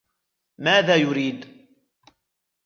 ماذا يريد؟